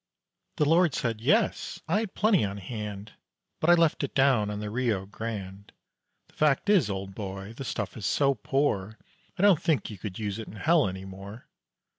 The Lord said, "Yes, I had plenty on hand, But I left it down on the Rio Grande; The fact is, old boy, the stuff is so poor I don't think you could use it in hell anymore."